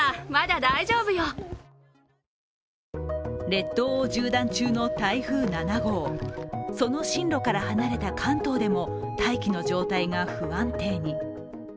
列島を縦断中の台風７号、その進路から離れた関東でも大気の状態が不安定に。